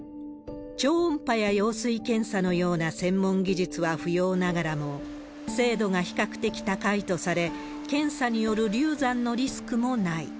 超音波や羊水検査のような専門技術は不要ながらも、精度が比較的高いとされ、検査による流産のリスクもない。